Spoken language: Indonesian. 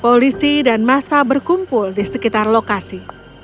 polisi dan masa berkumpul di sekitar lokasi